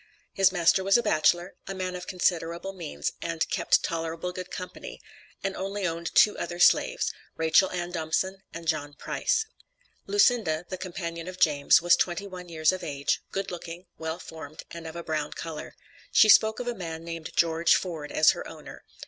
His master was a bachelor, a man of considerable means, and "kept tolerable good company," and only owned two other slaves, Rachel Ann Dumbson and John Price. Lucinda, the companion of James, was twenty one years of age, good looking, well formed and of a brown color. She spoke of a man named George Ford as her owner.